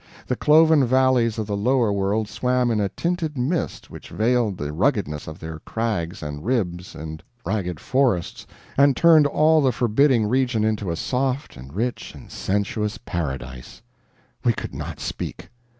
The cloven valleys of the lower world swam in a tinted mist which veiled the ruggedness of their crags and ribs and ragged forests, and turned all the forbidding region into a soft and rich and sensuous paradise. We could not speak.